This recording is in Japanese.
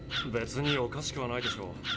別におかしくはないでしょう。